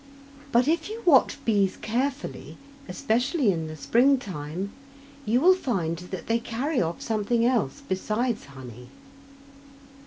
But if you watch bees carefully, especially in the spring time, you will find that they carry off something else besides honey.